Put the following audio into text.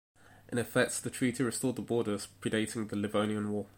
In effect, the treaty restored the borders predating the Livonian War.